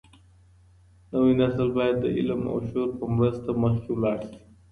نوی نسل بايد د علم او شعور په مرسته مخکې لاړ سي.